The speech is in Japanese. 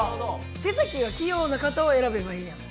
手先が器用な方を選べばいいやん。